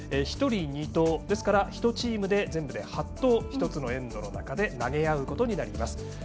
１人２投なので、１チーム全部で８投を１つのエンドの中で投げ合うことになります。